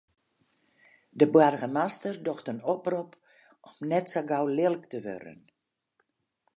De boargemaster docht in oprop om net sa gau lulk te wurden.